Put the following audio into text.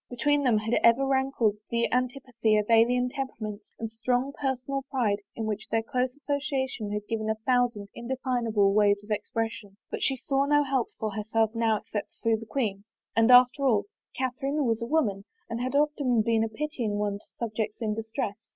Between them had ever rankled the antipathy of alien temperaments, and strong personal pride to v^hidi their close association had given a thousand indefinable ways of expression. But she saw no help for herself now except through the queen, and after all 5 THE FAVOR OF KINGS Catherine was a woman and had often been a pitying one to subjects in distress.